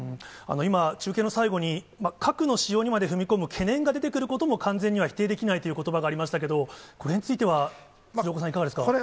今、中継の最後に、核の使用にまで踏み込む懸念が出てくることも完全には否定できないということばがありましたけども、これについては鶴岡さん、いかがですか。